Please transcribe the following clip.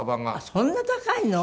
そんな高いの？